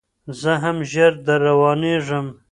زه هم ژر در روانېږم